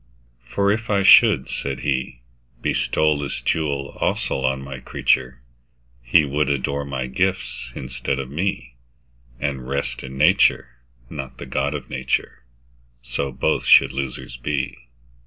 For if I should (said He)Bestow this jewel also on My creature, He would adore My gifts instead of Me, And rest in Nature, not the God of Nature:So both should losers be.